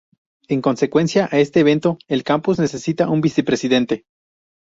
En consecuencia a este evento, el campus necesita un vicepresidente.